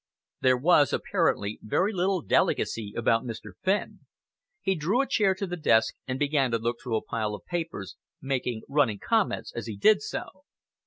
There was apparently very little delicacy about Mr. Fenn. He drew a chair to the desk and began to look through a pile of papers, making running comments as he did so.